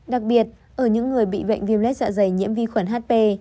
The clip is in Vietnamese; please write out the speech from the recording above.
đặc biệt ở những người bị bệnh viêm lết dạ dày nhiễm vi khuẩn hp